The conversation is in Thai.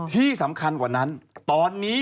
ที่สำคัญกว่านั้นตอนนี้